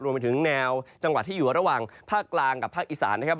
รวมไปถึงแนวจังหวัดที่อยู่ระหว่างภาคกลางกับภาคอีสานนะครับ